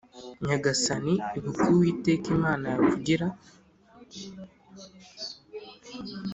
nyagasani ibuka Uwiteka Imana yawe kugira